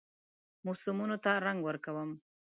موسمونو ته رنګ ورکوم